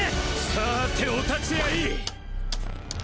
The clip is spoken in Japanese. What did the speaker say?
さあてお立ち会い。